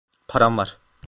Param var.